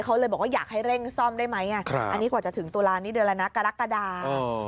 เขาเลยบอกว่าอยากให้เร่งซ่อมได้ไหมอันนี้กว่าจะถึงตุลานี้เดือนแล้วนะกรกฎา